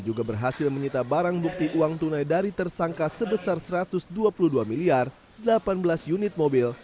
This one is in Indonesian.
juga berhasil menyita barang bukti uang tunai dari tersangka sebesar satu ratus dua puluh dua miliar delapan belas unit mobil